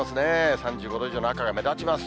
３５度以上の赤が目立ちます。